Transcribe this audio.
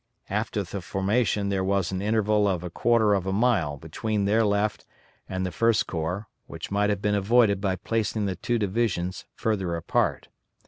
After the formation there was an interval of a quarter of a mile between their left and the First Corps, which might have been avoided by placing the two divisions further apart.